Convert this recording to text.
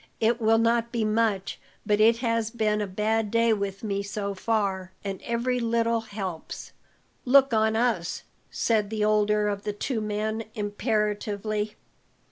"It will not be much, but it has been a bad day with me so far, and every little helps." "Look on us," said the older of the two men imperatively.